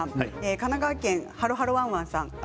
神奈川県の方です。